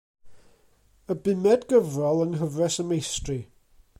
Y bumed gyfrol yng Nghyfres y Meistri.